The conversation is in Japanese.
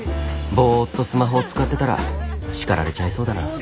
ボーっとスマホを使ってたら叱られちゃいそうだな。